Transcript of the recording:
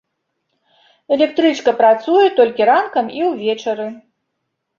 Электрычка працуе толькі ранкам і ўвечары.